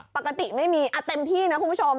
ปกติไม่มีเต็มที่นะคุณผู้ชม